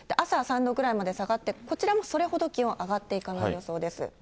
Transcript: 朝３度くらいまで下がって、こちらもそれほど気温上がっていかない予想です。